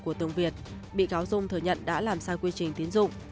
của tường việt bị cáo dung thừa nhận đã làm sai quy trình tiến dụng